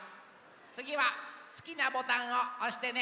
つぎはすきなボタンをおしてね。